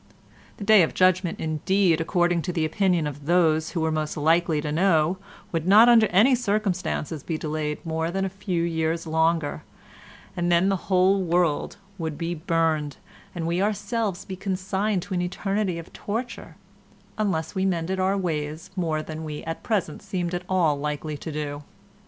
The Day of Judgement indeed, according to the opinion of those who were most likely to know, would not under any circumstances be delayed more than a few years longer, and then the whole world would be burned, and we ourselves be consigned to an eternity of torture, unless we mended our ways more than we at present seemed at all likely to do.